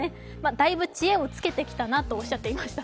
だいぶ知恵をつけてきたなとおっしゃっていました。